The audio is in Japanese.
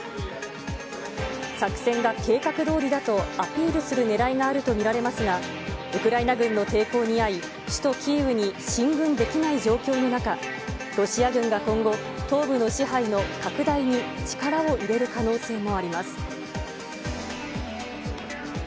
作戦が計画どおりだとアピールするねらいがあると見られますが、ウクライナ軍の抵抗に遭い、首都キーウに進軍できない状況の中、ロシア軍が今後、東部の支配の拡大に力を入れる可能性もあります。